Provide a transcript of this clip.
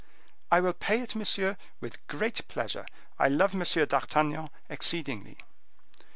"I will pay it, monsieur, with great pleasure. I love Monsieur d'Artagnan exceedingly."